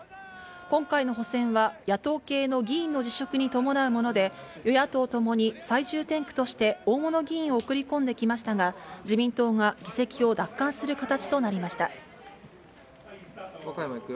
今回の補選は、野党系の議員の辞職に伴うもので、与野党ともに最重点区として大物議員を送り込んできましたが、自民党が議席を奪還する形となりました。